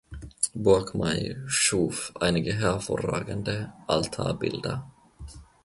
Burgkmair schuf einige hervorragende Altarbilder.